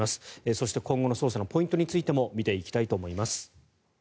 そして今後の捜査のポイントについても見ていきたいと思います。